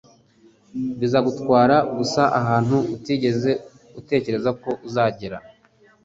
bizagutwara gusa ahantu utigeze utekereza ko uzagera.”